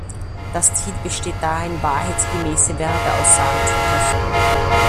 Das Ziel besteht darin, wahrheitsgemäße Werbeaussagen zu treffen.